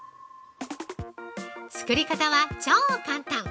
作り方は超簡単！